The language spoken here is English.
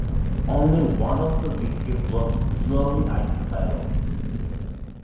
Only one of the victims was visually identifiable.